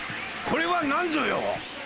これはなんぞよ！